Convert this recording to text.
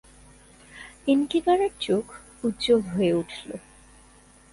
ইনকিপারের চোখ উজ্জ্বল হয়ে উঠলো।